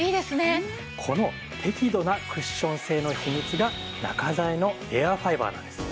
この適度なクッション性の秘密が中材のエアファイバーなんです。